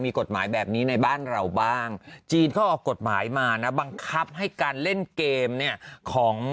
มีกฎหมายแบบนี้ในบ้านเราบ้างจีนเขาออกกฎหมายมานะบังคับให้การเล่นเกมเนี่ยของ